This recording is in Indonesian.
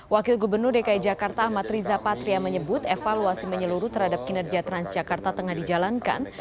wakil gubernur dki jakarta ahmad riza patria menyebut evaluasi menyeluruh terhadap kinerja transjakarta tengah dijalankan